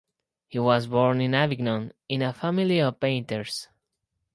He was born in Avignon in a family of painters.